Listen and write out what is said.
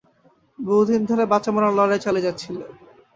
বহুদিন ধরে বাঁচা-মরার লড়াই চালিয়ে যাচ্ছিলে।